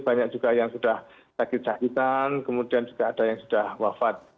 banyak juga yang sudah sakit sakitan kemudian juga ada yang sudah wafat